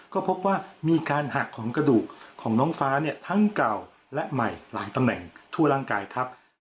ก็พบว่ามีการหักของกระดูกของน้องฟ้าเนี่ยทั้งเก่าและใหม่หลายตำแหน่งทั่วร่างกายครับ